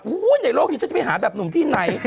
ในโลกนี้ฉันจะไปหาแบบหนุ่มที่ไหน